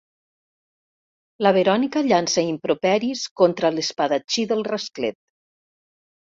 La Verònica llança improperis contra l'espadatxí del rasclet.